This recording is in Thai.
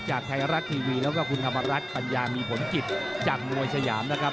จากไทยรัฐทีวีแล้วก็คุณธรรมรัฐปัญญามีผลกิจจากมวยสยามนะครับ